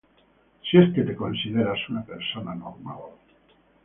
si es que te consideras una persona normal